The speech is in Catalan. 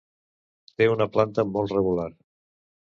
Té una planta molt regular.